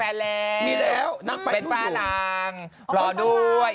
เปลี่ยนมีแฟนแลนด์เป็นฟ้ารังรอด้วย